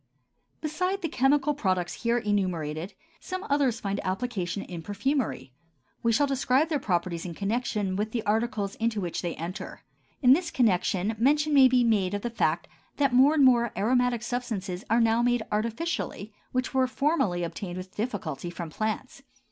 Besides the chemical products here enumerated, some others find application in perfumery; we shall describe their properties in connection with the articles into which they enter. In this connection mention may be made of the fact that more and more aromatic substances are now made artificially which were formerly obtained with difficulty from plants.